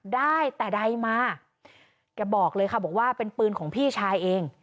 ได้แต่ใดมาแกบอกเลยค่ะบอกว่าเป็นปืนของพี่ชายเอง